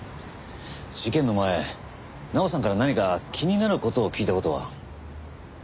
事件の前奈緒さんから何か気になる事を聞いた事は？